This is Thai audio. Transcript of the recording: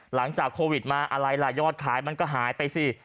หลังจากโควิดมาอะไรล่ะยอดขายมันก็หายไปสิ